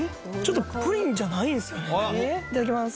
いただきます